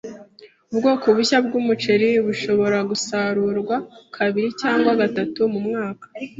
Ubwoko bushya bw'umuceri bushobora gusarurwa kabiri cyangwa gatatu mu mwaka.